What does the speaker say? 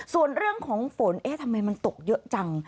ส่วนเรื่องของฝนเอ๊ะทำไมมันตกเยอะจัง